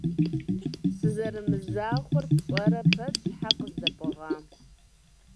Сызэрымызахуэр пщӏэрэ пэт щхьэ къыздэпӏыгъа?